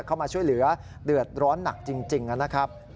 เข้ามาช่วยเหลือเดือดร้อนหนักจริงนะครับ